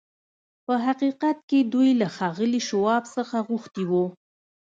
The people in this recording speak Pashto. په حقيقت کې دوی له ښاغلي شواب څخه غوښتي وو.